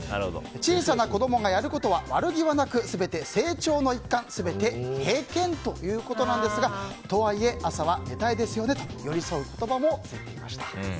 小さな子供がやることは悪気はなく全て成長の一環全て経験ということですがとはいえ、朝は寝たいですよねと寄り添う言葉もついていました。